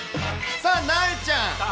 さあ、なえちゃん。